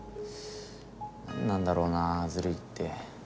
何なんだろうなずるいって。